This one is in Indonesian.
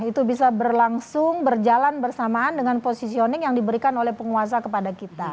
itu bisa berlangsung berjalan bersamaan dengan positioning yang diberikan oleh penguasa kepada kita